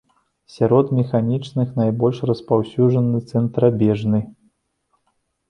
Сярод механічных найбольш распаўсюджаны цэнтрабежны.